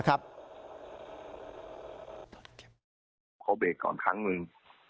เขาเบรกก่อนครั้งหนึ่ง